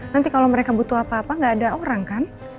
nanti kalau mereka butuh apa apa nggak ada orang kan